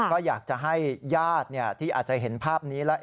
ก็อยากจะให้ญาติที่อาจจะเห็นภาพนี้แล้ว